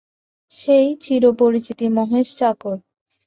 সেই চিরপরিচিত মহেশ চাকর।